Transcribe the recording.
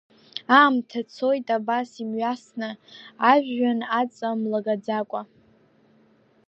Аамҭа цоит абас имҩасны, ажәҩан аҵа млагаӡакәа.